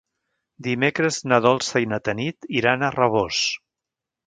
Dimecres na Dolça i na Tanit iran a Rabós.